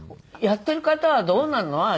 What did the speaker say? やってる方はどうなの？